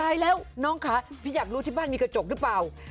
แล้วน้องคะพี่อยากรู้ที่บ้านมีกระจกหรือเปล่า